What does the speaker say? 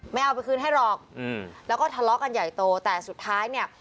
เอาไปคืนให้หรอกอืมแล้วก็ทะเลาะกันใหญ่โตแต่สุดท้ายเนี่ย